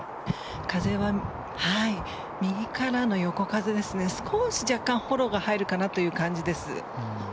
風は右からの横風ですが少し、若干、フォローが入るかなという感じです。